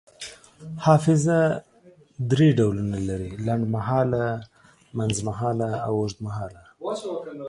حافظه دری ډولونه لري: لنډمهاله، منځمهاله او اوږدمهاله